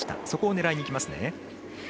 そこを狙いにいきますね。